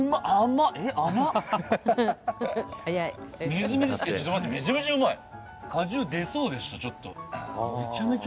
みずみずしくて、ちょっと待ってめちゃめちゃうまい。